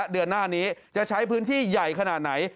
เดือนหน้านี้จะใช้พื้นที่ใหญ่ขนาดไหน